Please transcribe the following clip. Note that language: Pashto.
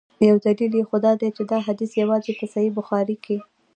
یو دلیل یې خو دا دی چي دا حدیث یوازي په صحیح بخاري کي.